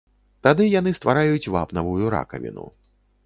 Тады яны ствараюць вапнавую ракавіну.